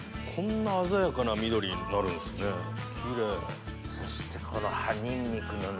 こんな鮮やかな緑になるんすねキレイ。